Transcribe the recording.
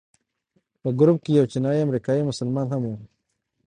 په ګروپ کې یو چینایي امریکایي مسلمان هم و.